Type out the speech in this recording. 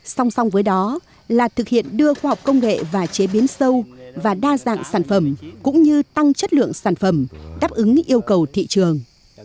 song song với đó là thực hiện đưa khoa học công nghệ và chế biến sâu và đa dạng sản phẩm cũng như tăng chất lượng sản phẩm đáp ứng yêu cầu thị trường